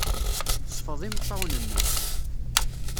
Sfeḍ imeṭṭawen-nnem.